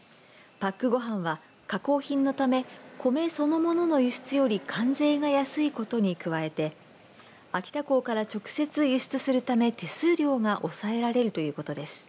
パックごはんは、加工品のため米そのものの輸出より関税が安いことに加えて秋田港から直接輸出するため手数料が抑えられるということです。